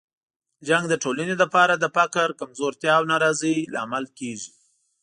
جنګ د ټولنې لپاره د فقر، کمزورتیا او ناراضۍ لامل کیږي.